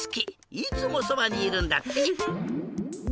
いつもそばにいるんだって。